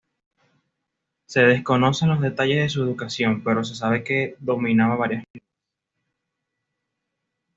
Se desconocen los detalles de su educación, pero se sabe que dominaba varias lenguas.